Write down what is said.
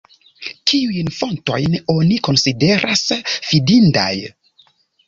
Kiujn fontojn oni konsideras fidindaj?